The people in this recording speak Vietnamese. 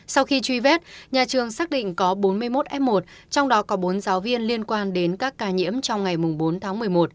sau khi truy vết nhà trường xác định có bốn mươi một f một trong đó có bốn giáo viên liên quan đến các ca nhiễm trong ngày bốn tháng một mươi một